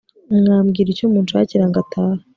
mwabwira icyo munshakira ngataha